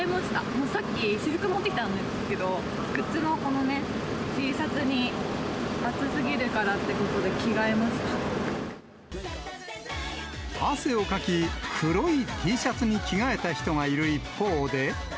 もうさっき、私服持ってきたんですけど、グッズのこのね、Ｔシャツに、暑すぎるからってことで、汗をかき、黒いＴシャツに着替えた人がいる一方で。